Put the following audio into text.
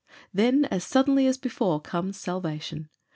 Then, as suddenly as before comes salvation.